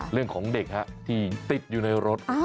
เรื่องของเด็กที่ติดอยู่ในรถ